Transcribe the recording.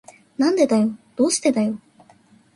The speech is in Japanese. なんでだよ。どうしてだよ。